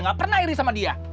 gak pernah iri sama dia